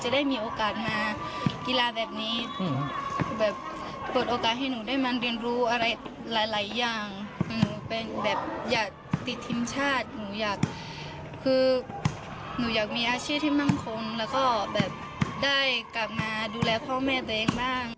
ได้กลับมาดูแลพ่อแม่ตัวเองบ้าง